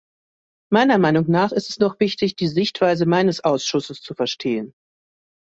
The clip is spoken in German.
Meiner Meinung nach ist es noch wichtig, die Sichtweise meines Ausschusses zu verstehen.